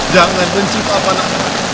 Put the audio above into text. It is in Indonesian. jangan benci papa nak